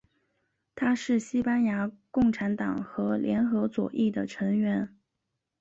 他是西班牙共产党和联合左翼的成员。